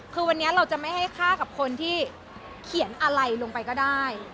คือวันนี้เราจะไม่ให้ฆ่ากับคนที่เขียนอะไรลงไปก็ได้